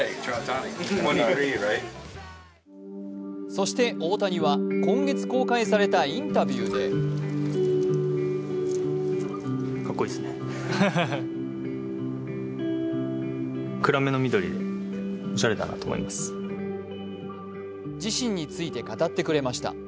そして、大谷は今月公開されたインタビューで自身について語ってくれました。